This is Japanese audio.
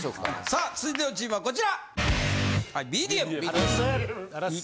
さあ続いてのチームはこちら！